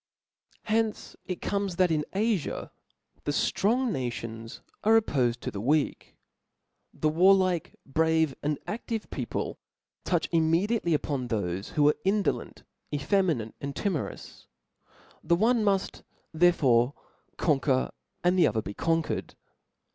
From hence it comes, that in AGa the drong nations are oppofed to the weak; the warlike, brave, and aAive people touch immediately on thofe 'who are indolent, effeminate, and timorous; the one muft therefore conquer, and the other be conquered.